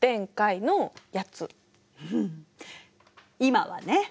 今はね！